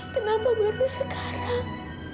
kenapa baru sekarang